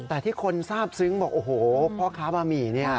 แต่ที่คนทราบซึ้งบอกโอ้โหพ่อค้าบะหมี่เนี่ย